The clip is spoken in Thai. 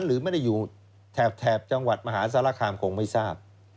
หรือไม่ได้อยู่แถบจังหวัดมหาสารคามคงไม่ทราบ